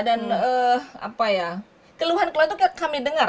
dan apa ya keluhan keluhan itu kami dengar